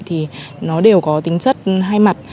thì nó đều có tính chất hai mặt